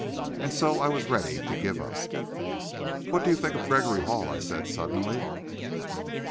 And so I was ready to give up. "What do you think of Gregory Hall?" I said suddenly.